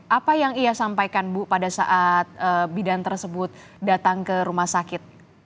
bagaimana ibu bisa sampaikan bu pada saat bidang tersebut datang ke rumah sakit